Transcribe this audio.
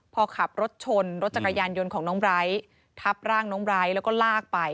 พอขับรถชนรถจักรยานยนต์ของน้องไบร์ททับร่างน้องไบร์ทแล้วก็ลากไป